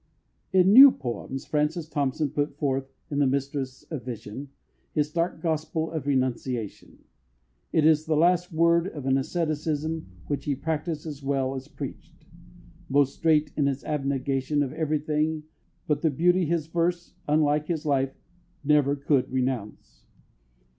In New Poems Francis Thompson put forth in The Mistress of Vision his stark gospel of renunciation. It is the last word of an asceticism which he practised as well as preached most strait in its abnegation of everything but the beauty his verse, unlike his life, never could renounce.